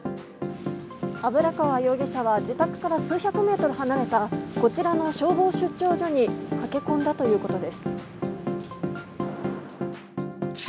油川容疑者は自宅から数百メートル離れたこちらの消防出張所に駆け込んだということです。